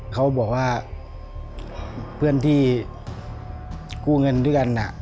เขาบอกว่าเพื่อนที่กู้เงินด้วยกัน